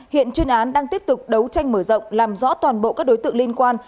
hiện chuyên án đang tiếp tục đấu tranh mở rộng làm rõ toàn bộ các đối tượng liên quan